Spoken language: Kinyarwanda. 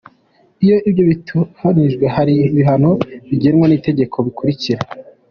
Iyo ibyo bitubahirijwe hari ibihano bigenwa n’itegeko bikurikira:.